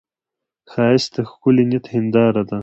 ښایست د ښکلي نیت هنداره ده